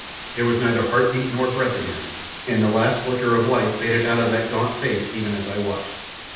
There was neither heart beat nor breath in him, and the last flicker of life faded out of that gaunt face even as I watched.